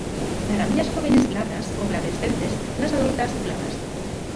Las ramillas jóvenes glabras o glabrescentes, las adultas glabras.